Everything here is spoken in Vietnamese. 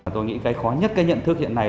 tôi nghĩ cái khó nhất cái nhận thức hiện nay